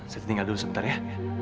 saya tinggal dulu sebentar ya